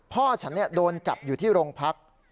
พ่อฉันโดนจับอยู่ที่โรงพัก